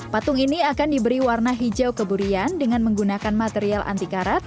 patung ini akan diberi warna hijau keburian dengan menggunakan material anti karat